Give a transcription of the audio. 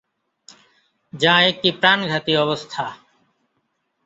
যা একটি প্রাণঘাতী অবস্থা।